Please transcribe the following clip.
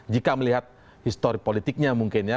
jika melihat histori politiknya mungkin ya